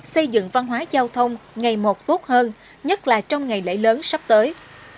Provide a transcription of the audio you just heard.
xây dựng văn hóa giao thông ngày một tốt hơn nhất là trong ngày lễ lớn sắp tới